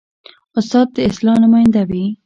استاد د اصلاح نماینده وي.